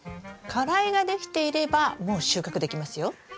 花蕾ができていればもう収穫できますよ。